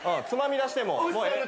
つまみ出してもう。